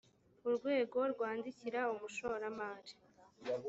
urwego rwandikira umushoramari